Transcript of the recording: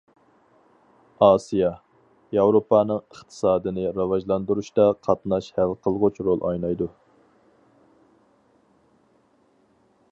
ئاسىيا، ياۋروپانىڭ ئىقتىسادىنى راۋاجلاندۇرۇشتا قاتناش ھەل قىلغۇچ رول ئوينايدۇ.